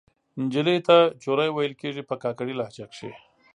نجلۍ ته چورۍ ویل کیږي په کاکړۍ لهجه کښې